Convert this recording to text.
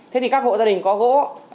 thế thì các hộ gia đình có gỗ